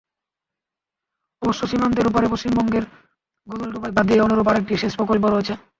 অবশ্য সীমান্তের ওপারে পশ্চিমবঙ্গের গজলডোবায় বাঁধ দিয়ে অনুরূপ আরেকটি সেচ প্রকল্প রয়েছে।